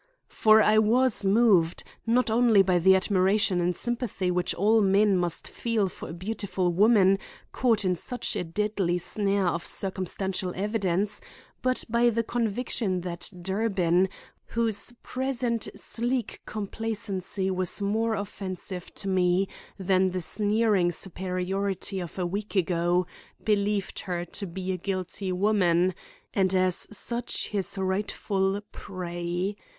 For I was moved, not only by the admiration and sympathy which all men must feel for a beautiful woman caught in such a deadly snare of circumstantial evidence, but by the conviction that Durbin, whose present sleek complacency was more offensive to me than the sneering superiority of a week ago, believed her to be a guilty woman, and as such his rightful prey.